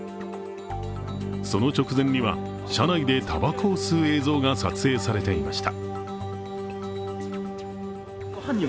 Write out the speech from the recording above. その直前には、車内でたばこを吸う映像が撮影されていました。